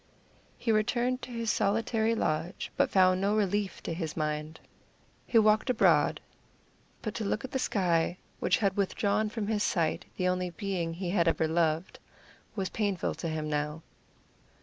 He returned to his solitary lodge, but found no relief to his mind. He walked abroad, but to look at the sky, which had withdrawn from his sight the only being he had ever loved, was painful to him now.